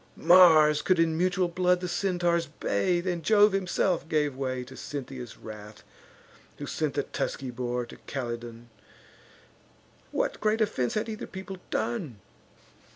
Mars could in mutual blood the Centaurs bathe, And Jove himself gave way to Cynthia's wrath, Who sent the tusky boar to Calydon; What great offence had either people done?